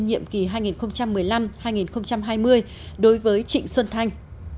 nhiệm kỳ hai nghìn một mươi năm hai nghìn hai mươi đối với trịnh xuân thanh